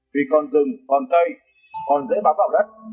vì còn rừng còn cây còn dễ bám vào đất